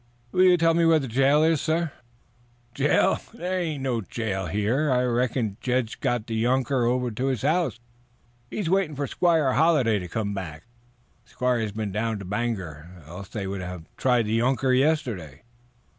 "Will you tell me where the jail is?" "Jail? There ain't no jail here. I reckon Jed's got the younker over to his house. He's waitin' for Squire Halliday to come back. The squire's been down to Bangor, else they would have tried the younker yesterday."